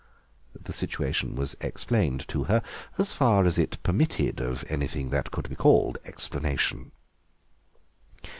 The situation was explained to her, as far as it permitted of anything that could be called explanation.